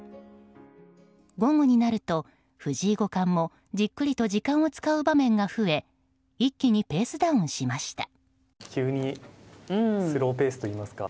午後になると藤井五冠もじっくりと時間を使う場面が増え一気にペースダウンしました。